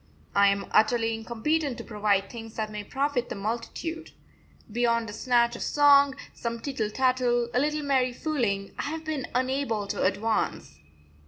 I am utterly incompetent to provide things that may profit the multitude. Beyond a snatch of song, some tittle tattle, a little merry fooling, I have been unable to advance.